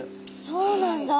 そうなんだ！